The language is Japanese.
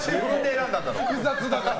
複雑だから。